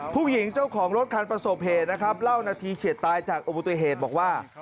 ผู้หญิงเจ้าของรถคันประสบเหตุนะครับเล่านาทีเฉียดตายจากอุบัติเหตุบอกว่า